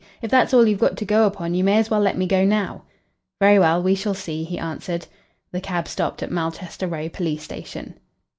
"If that's all you've got to go upon you may as well let me go now." "Very well. We shall see," he answered. The cab stopped at Malchester Row Police Station.